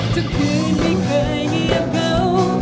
ทุกคืนไม่เคยเงียบเหงา